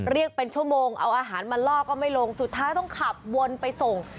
เรียกเป็นชั่วโมงเอาอาหารมาล่อก็ไม่ลงสุดท้ายต้องขับวนไปส่ง